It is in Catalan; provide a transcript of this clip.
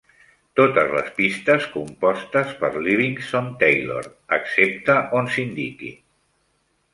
Totes les pistes compostes per Livingston Taylor, excepte on s'indiqui.